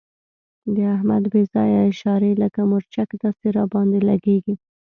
د احمد بې ځایه اشارې لکه مرچک داسې را باندې لګېږي.